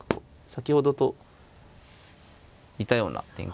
先ほどと似たような展開ですけど。